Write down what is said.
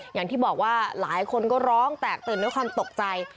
อย่างที่บอกว่าหลายคนก็ร้องแตกตื่นด้วยความตกใจ